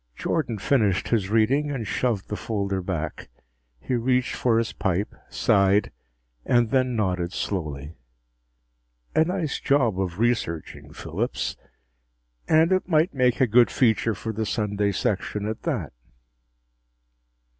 _ Jordan finished his reading and shoved the folder back. He reached for his pipe, sighed, and then nodded slowly. "A nice job of researching, Phillips. And it might make a good feature for the Sunday section, at that."